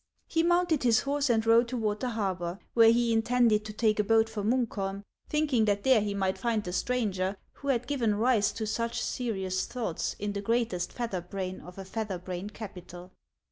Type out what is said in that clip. He mounted his horse and rode toward the harbor, where he intended to take a boat for Munkholm, thinking that there he might find the stranger who had given rise to such serious thoughts in the greatest feather brain of a feather brained capital.